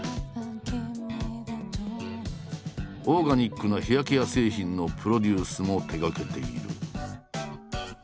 オーガニックのヘアケア製品のプロデュースも手がけている。